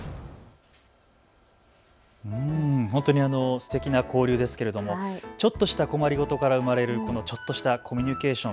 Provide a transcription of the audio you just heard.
すてきな交流ですけれどもちょっとした困り事から生まれるちょっとしたコミュニケーション。